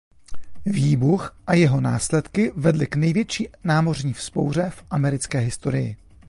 Výbuch a jeho následky vedly k největší námořní vzpouře v americké historii.